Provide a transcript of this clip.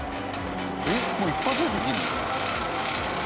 えっもう一発でできるの？